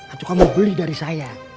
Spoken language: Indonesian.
atau kamu beli dari saya